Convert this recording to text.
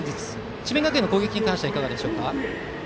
智弁学園の攻撃に関してはいかがですか。